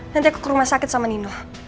nanti aku ke rumah sakit sama nino